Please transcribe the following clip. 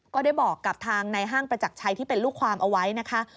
ก็ได้บอกกับทางในห้างประจักรชัยที่เป็นลูกความเอาไว้นะคะ